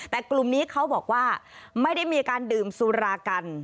แต่กลุ่มนี้เขาบอกว่าไม่ได้มีการดื่มสุรากัน